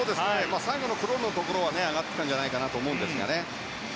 最後のクロールのところは上がってきたんじゃないかと思うんですがね。